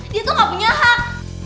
dia tuh gak punya hak